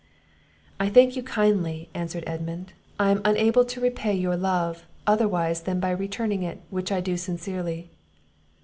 "I thank you kindly," answered Edmund; "I am unable to repay your love, otherwise than by returning it, which I do sincerely."